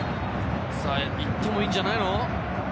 行ってもいいんじゃないの？